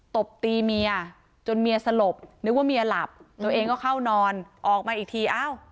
ตบตีเมียจนเมียสลบนึกว่าเมียหลับตัวเองก็เข้านอนออกมาอีกทีอ้าว